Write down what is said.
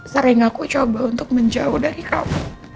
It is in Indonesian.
sering aku coba untuk menjauh dari kamu